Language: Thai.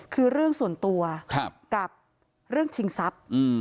คือเรื่องส่วนตัวกับเรื่องชิงทรัพย์